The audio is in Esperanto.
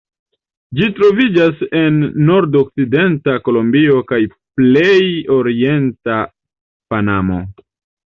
Ĝi troviĝas en nordokcidenta Kolombio kaj plej orienta Panamo.